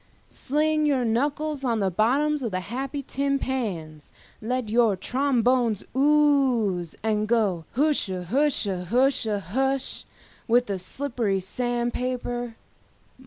Sling your knuckles on the bottoms of the happy tin pans, let your trombones ooze, and go hushahusha hush with the slippery sand paper.